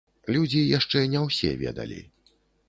Людзі яшчэ не ўсе ведалі.